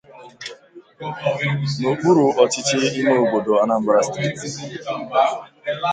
n'okpuru ọchịchị ime obodo Anambra East